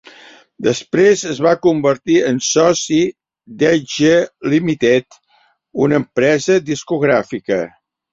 Després es va convertir en soci d'Edge Limited, una empresa discogràfica.